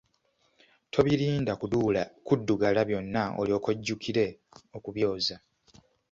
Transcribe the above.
Tobirinda kuddugala byonna olyoke ojjukire okubyoza.